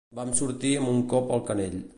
Vam sortir amb un cop al canell.